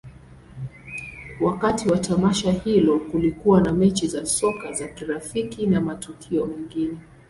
Wakati wa tamasha hilo, kulikuwa na mechi za soka za kirafiki na matukio mengine.